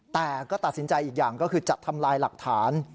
แต่ก็ตัดสินใจอีกอย่างก็คือจะทำลายหลักฐาน